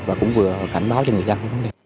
và cũng vừa cảnh báo cho người dân